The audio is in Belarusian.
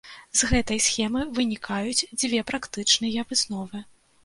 З гэтай схемы вынікаюць дзве практычныя высновы.